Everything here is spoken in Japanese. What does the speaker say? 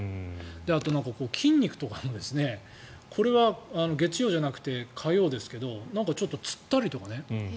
あと、筋肉とかがこれは月曜じゃなくて火曜ですけどちょっとつったりとかね。